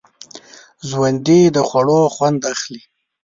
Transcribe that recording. ژوندي د خوړو خوند اخلي